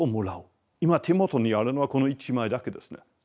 今手元にあるのはこの１枚だけですね。